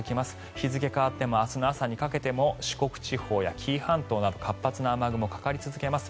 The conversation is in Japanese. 日付変わっても明日にかけても四国地方や紀伊半島など活発な雨雲がかかり続けます。